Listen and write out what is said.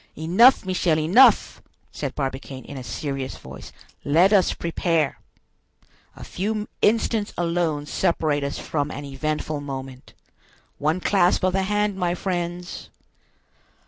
"Enough, Michel, enough!" said Barbicane, in a serious voice; "let us prepare. A few instants alone separate us from an eventful moment. One clasp of the hand, my friends."